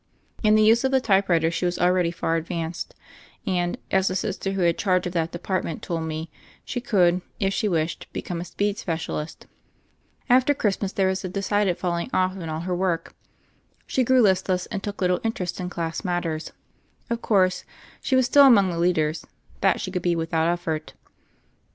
In the use of the typewriter she was already far advanced, and, as the Sister who had charge of that de partment told me, she could, if she wished, be come a ''speed specialist." After Christmas, 178 THE FAIRY OF THE SNOWS 179 there was a decided falling off in all her work. She grew listless, and took little interest in class matters. Of course, she was still among the leaders : that she could be without effort.